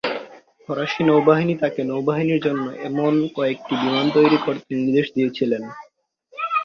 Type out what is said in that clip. ফরাসী নৌবাহিনী তাকে নৌবাহিনীর জন্য এমন কয়টি বিমান তৈরী করতে নির্দেশ দিয়েছিল।